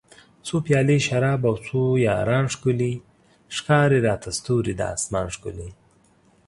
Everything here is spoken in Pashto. څو پیالۍ شراب او څو یاران ښکلي ښکاري راته ستوري د اسمان ښکلي